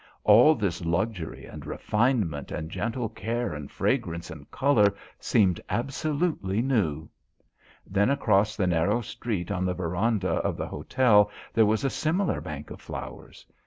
All this luxury and refinement and gentle care and fragrance and colour seemed absolutely new. Then across the narrow street on the verandah of the hotel there was a similar bank of flowers.